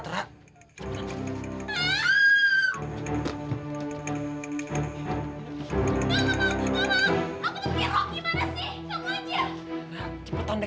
terus aku terpakai rok